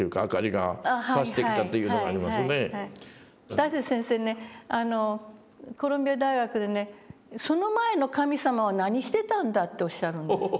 大拙先生ねコロンビア大学でね「その前の神様は何してたんだ」とおっしゃるのよ。